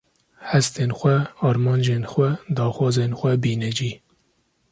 hestên xwe, armancên xwe, daxwazên xwe bîne cî.